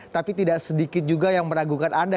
tapi tidak sedikit juga yang meragukan anda